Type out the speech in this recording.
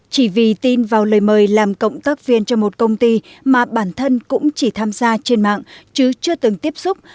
chỉ vì tin vào lời mời làm cộng tác viên cho một công ty mà bản thân cũng chỉ tham gia trên mạng chứ chưa từng tiếp xúc